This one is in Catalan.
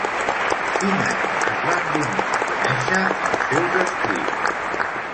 Quin any es van donar a conèixer els seus escrits?